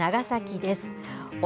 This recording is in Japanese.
長崎です。